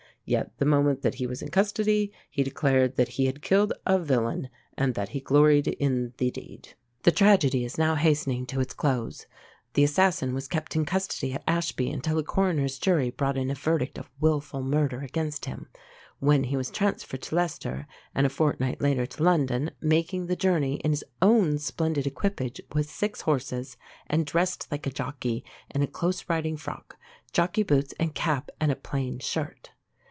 Yet the moment that he was in custody he declared that he had killed a villain, and that he gloried in the deed." The tragedy is now hastening to its close. The assassin was kept in custody at Ashby until a coroner's jury brought in a verdict of "Wilful Murder" against him, when he was transferred to Leicester, and a fortnight later to London, making the journey in his own splendid equipage with six horses, and "dressed like a jockey, in a close riding frock, jockey boots and cap, and a plain shirt."